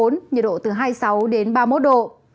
nhiệt độ từ hai mươi sáu đến ba mươi một độ